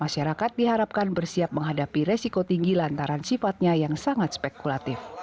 masyarakat diharapkan bersiap menghadapi resiko tinggi lantaran sifatnya yang sangat spekulatif